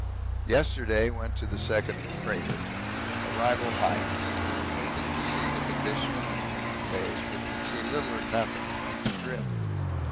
Yesterday went to the second crater, Arrival Heights, hoping to see the condition of the northerly bays, but could see little or nothing owing to drift.